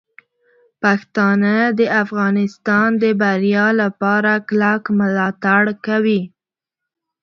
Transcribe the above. پښتانه د افغانستان د بریا لپاره کلک ملاتړ کوي.